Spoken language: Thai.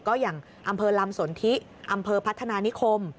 ก็อย่างอำเภอลำสนทิอำเภอพัฒนานิคม